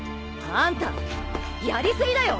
あんたやり過ぎだよ！